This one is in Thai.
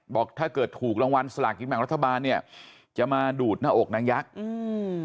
บอกถ้าเกิดถูกรางวัลสลากินแบ่งรัฐบาลเนี้ยจะมาดูดหน้าอกนางยักษ์อืม